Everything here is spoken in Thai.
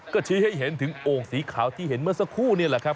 ก็ชี้ให้เห็นถึงโอ่งสีขาวที่เห็นเมื่อสักครู่นี่แหละครับ